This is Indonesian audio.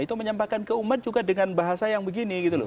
itu menyampaikan ke umat juga dengan bahasa yang begini